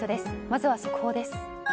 まずは速報です。